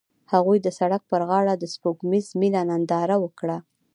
هغوی د سړک پر غاړه د سپوږمیز مینه ننداره وکړه.